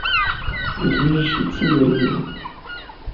Nekk mačči d tayri-inem.